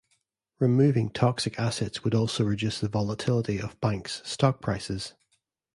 Removing toxic assets would also reduce the volatility of banks' stock prices.